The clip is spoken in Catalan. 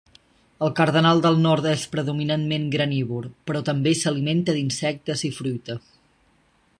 El cardenal del nord és predominantment granívor, però també s'alimenta d'insectes i fruita.